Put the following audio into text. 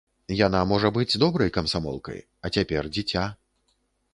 Яна можа быць добрай камсамолкай, а цяпер дзіця.